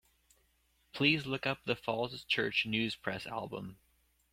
Please look up the Falls Church News-Press album.